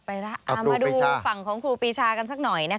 ไปแล้วมาดูฝั่งของครูปริชากันสักหน่อย